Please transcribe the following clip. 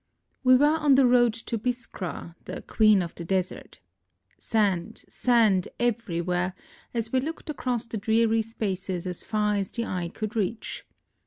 We were on the road to Biskra, the "Queen of the Desert." Sand, sand everywhere, as we looked across the dreary spaces as far as the eye could reach.